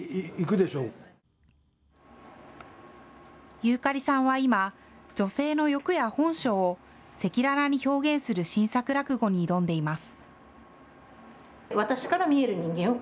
遊かりさんは今、女性の欲や本性を赤裸々に表現する新作落語に挑んでいます。